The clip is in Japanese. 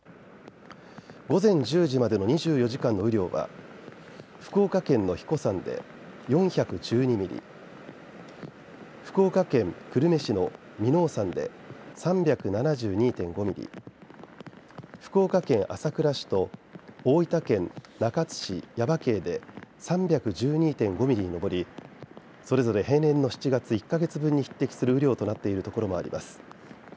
午前１０時までの２４時間の雨量は福岡県の英彦山で４１２ミリ福岡県久留米市の耳納山で３７２．５ミリ福岡県朝倉市と大分県中津市耶馬溪で３１２．５ミリにのぼりそれぞれ平年の１か月分の雨量に匹敵する雨量となっているところもあります。